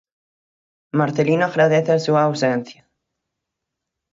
Marcelino agradece a súa ausencia.